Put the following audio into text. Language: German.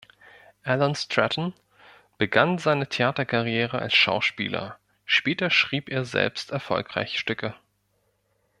Allan Stratton begann seine Theaterkarriere als Schauspieler, später schrieb er selbst erfolgreich Stücke.